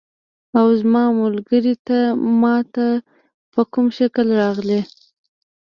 اوه زما ملګری، ته ما ته په کوم شکل راغلې؟